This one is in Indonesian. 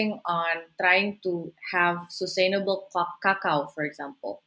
mencoba untuk memiliki kakao yang berkualitas